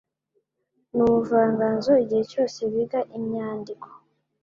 n'ubuvanganzo igihe cyose biga imyandiko